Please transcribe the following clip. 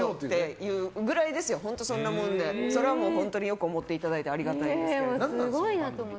本当そんなもんで本当によく思っていただいてありがたいですけど。